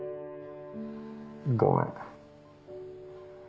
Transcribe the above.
ごめん。